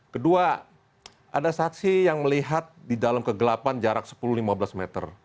kedua ada saksi yang melihat di dalam kegelapan jarak sepuluh lima belas meter